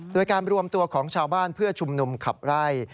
โดยการรวมตัวของชาวบ้านเพื่อชุมนุมขับไล่